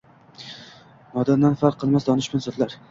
Nodondan farq qilmas donishmand zotlar